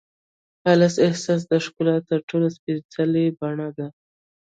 خالص احساس د ښکلا تر ټولو سپېڅلې بڼه ده.